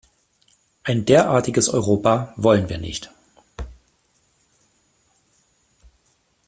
Ein derartiges Europa wollen wir nicht.